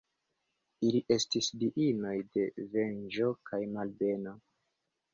Ili estis diinoj de venĝo kaj malbeno.